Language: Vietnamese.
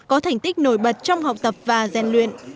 có thành tích nổi bật trong học tập và gian luyện